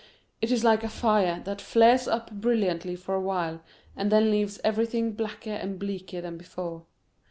It is like a fire that flares up brilliantly for a while and then leaves everything blacker and bleaker than before.